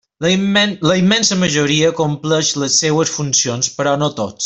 La immensa majoria compleix les seues funcions, però no tots.